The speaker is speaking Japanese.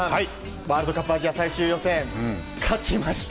ワールドカップアジア最終予選勝ちました。